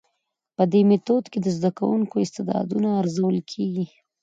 په دي ميتود کي د زده کوونکو استعدادونه ارزول کيږي.